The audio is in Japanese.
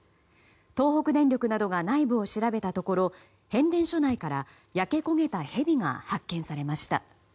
東北電力などが内部を調べたところ変電所内から焼け焦げたヘビが発見されました。